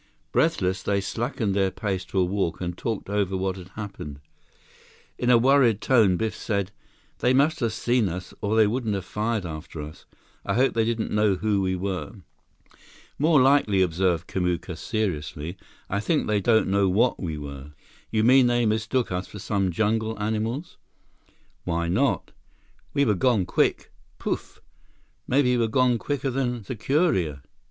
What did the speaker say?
Breathless, they slackened their pace to a walk and talked over what had happened. In a worried tone, Biff said: "They must have seen us or they wouldn't have fired after us. I hope they didn't know who we were." "More likely," observed Kamuka seriously, "I think they don't know what we were." "You mean they mistook us for some jungle animals?" "Why not? We were gone quick—pouf! Maybe we were gone quicker than sucuria."